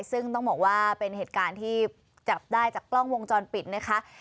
ซึ่งต้องบอกว่าเป็นเหตุการณ์ที่จับได้จากกล้องวงจรปิดนะคะ